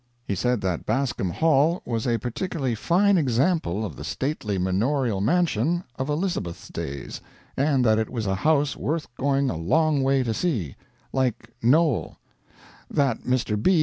He said that Bascom Hall was a particularly fine example of the stately manorial mansion of Elizabeth's days, and that it was a house worth going a long way to see like Knowle; that Mr. B.